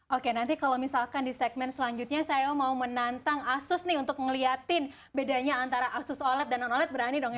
oke nanti kalau misalkan di segmen selanjutnya saya mau menantang asus nih untuk ngeliatin bedanya antara asus oled dan non oled berani dong ya